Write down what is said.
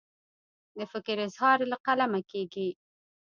د فکر اظهار له قلمه کیږي.